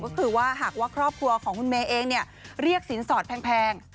ก็คือว่าหากว่าครอบครัวของคุณเมย์เองเรียกสินสอดแพง